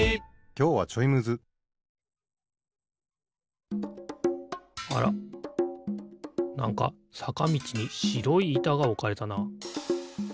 きょうはちょいむずあらなんかさかみちにしろいいたがおかれたな。